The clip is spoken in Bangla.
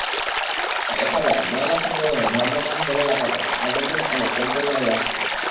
দেখা যায়, ময়লা সংগ্রহের ভ্রাম্যমাণ ভ্যান এলাকা থেকে আবর্জনা এনে কনটেইনারে রাখছে।